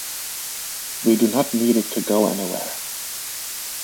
We do not need it to go anywhere.